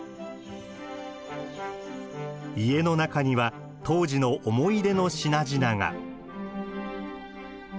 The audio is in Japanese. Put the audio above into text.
家の中には当時の思い出の品々が。